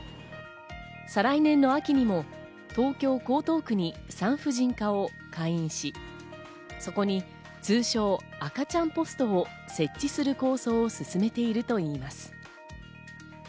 再来年の秋にも東京・江東区に産婦人科を開院し、そこに通称・赤ちゃんポストを設置する構想を進めているといいます。